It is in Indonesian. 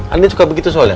andieng suka begitu soalnya